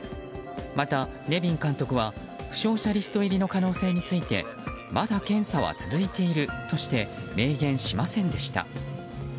また、ネビン監督は負傷者リスト入りの可能性についてまだ検査は続いているとして明言しませんでした。